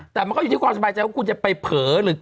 แต่มันก็อยู่ที่ความสบายใจว่าคุณจะไปเผลอหรือ